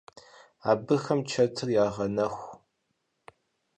Абыхэм чэтыр ягъэнэху.